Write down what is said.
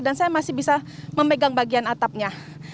dan saya masih bisa memegang bagian atapnya